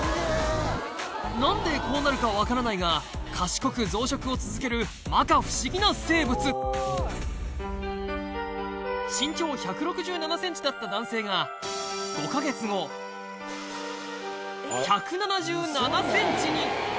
何でこうなるか分からないが賢く増殖を続ける摩訶不思議な生物身長１６７ｃｍだった男性が１７７ｃｍに！